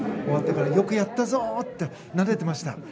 終わってからよくやったぞってなでてました。